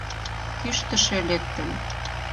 — Кӱштышӧ лектын!..